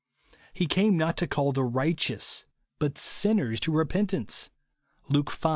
" He came not to call the righteous, but sinners to repentance," (Luke V.